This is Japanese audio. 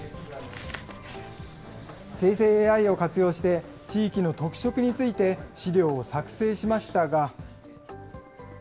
生成ＡＩを活用して、地域の特色について資料を作成しましたが。